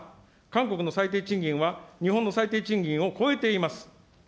韓国の最低賃金は日本の最低賃金を超えています。